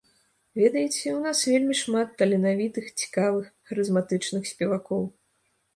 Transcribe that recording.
Ведаеце, у нас вельмі шмат таленавітых, цікавых, харызматычных спевакоў.